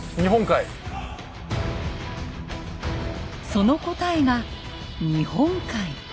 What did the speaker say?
その答えが日本海。